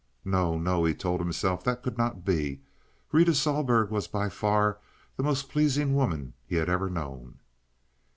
No, no, he told himself that could not be. Rita Sohlberg was by far the most pleasing woman he had ever known.